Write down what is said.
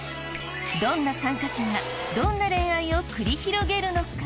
どんな参加者がどんな恋愛を繰り広げるのか。